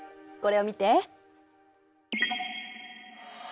これを見て。